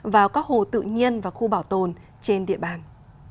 vào các hồ tự nhiên và khu bảo tồn trên địa bàn